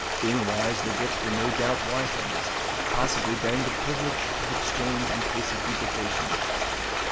Being wise, their gifts were no doubt wise ones, possibly bearing the privilege of exchange in case of duplication.